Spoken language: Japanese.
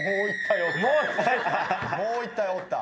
もう一体おった。